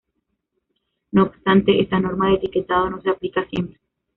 No obstante, esta norma de etiquetado no se aplica siempre.